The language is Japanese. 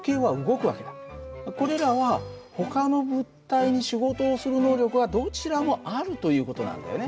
これらはほかの物体に仕事をする能力はどちらもあるという事なんだよね。